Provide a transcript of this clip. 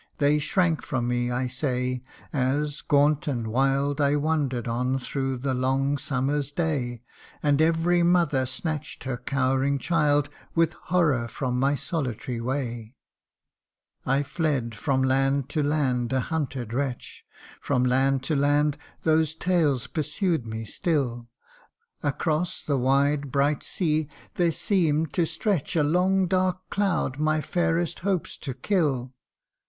They shrank from me, I say, as, gaunt and wild I wander'd on through the long summer's day ; And every mother snatch'd her cowering child With horror from my solitary way ! I fled from land to land, a hunted wretch ; From land to land those tales pursued me still : Across the wide bright sea there seem'd to stretch A long dark cloud my fairest hopes to kill.